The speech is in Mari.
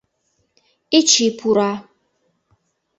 Эчи пура.